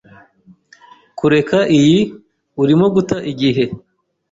Kureka iyi. Urimo guta igihe.